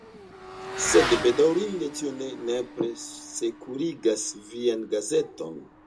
Sed, bedaŭrinde, tio ne nepre sekurigas vian gazeton.